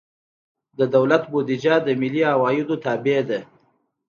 د دولت بودیجه د ملي عوایدو تابع ده.